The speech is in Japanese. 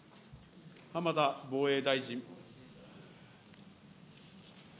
浜田防衛大臣。